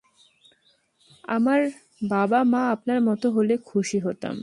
আমার বাবা-মা আপনার মতো হলে খুশি হতাম।